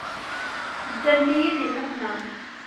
Teddamt-iyi di nneqma.